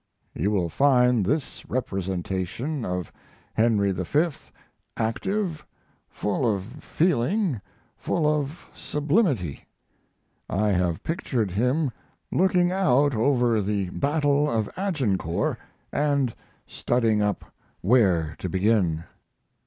You will find this representation of Henry V. active, full of feeling, full of sublimity. I have pictured him looking out over the battle of Agincourt and studying up where to begin.